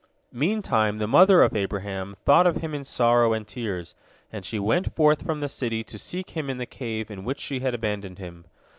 Meantime the mother of Abraham thought of him in sorrow and tears, and she went forth from the city to seek him in the cave in which she had abandoned him.